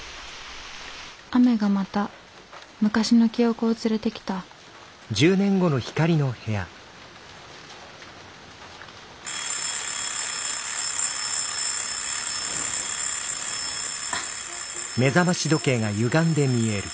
雨がまた昔の記憶を連れてきたあっ。